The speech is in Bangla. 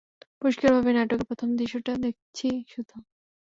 পরিষ্কারভাবেই, নাটকের প্রথম দৃশ্যটা দেখেছি শুধু!